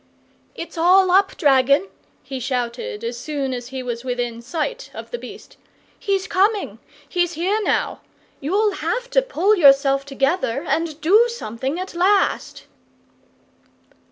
"It's all up, dragon!" he shouted as soon as he was within sight of the beast. "He's coming! He's here now! You'll have to pull yourself together and DO something at last!"